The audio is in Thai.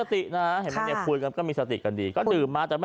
แต่ยังรับว่าดื่มมา